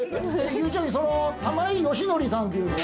ゆうちゃみ、その玉井よしのりさんっていうのは。